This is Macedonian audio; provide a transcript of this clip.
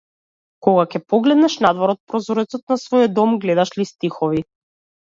Кога ќе погледнеш надвор од прозорецот на својот дом, гледаш ли стихови?